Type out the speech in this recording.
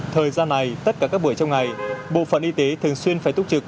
thời gian này tất cả các buổi trong ngày bộ phận y tế thường xuyên phải túc trực